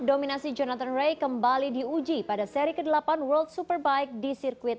dominasi jonathan ray kembali diuji